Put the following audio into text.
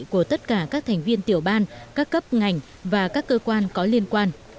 của tất cả các thành viên tiểu ban các cấp ngành và các cơ quan có liên quan